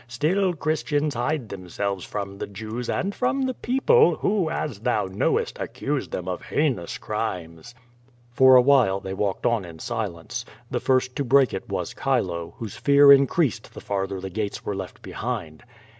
Still Christians hide themselves from the Jews and from the people, who, as thou knowest, accuse them of heinous crimes." For a while they walked on in silence. The first to break it was Chilo, whose fear increased the farther the gates were left behind.